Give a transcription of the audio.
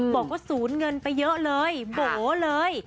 บอกว่าศูนย์เงินไปเยอะเลยโบ๋เลย